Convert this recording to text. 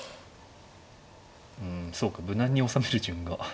うんそうか無難に収める順が。